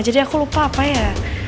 jadi aku lupa apa ya